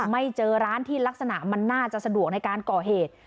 ไม่เจอร้านที่ลักษณะมันน่าจะสะดวกในการก่อเหตุ